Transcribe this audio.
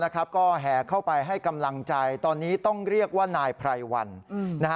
ก็แห่เข้าไปให้กำลังใจตอนนี้ต้องเรียกว่านายไพรวัน